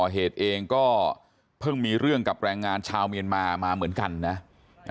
เหตุเองก็เพิ่งมีเรื่องกับแรงงานชาวเมียนมามาเหมือนกันนะ